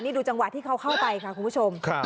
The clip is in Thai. นี่ดูจังหวะที่เขาเข้าไปค่ะคุณผู้ชม